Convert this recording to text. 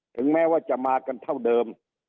ถึงแม้ว่าจะมากันเท่าเดิม